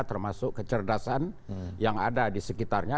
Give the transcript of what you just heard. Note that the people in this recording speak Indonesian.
termasuk kecerdasan yang ada di sekitarnya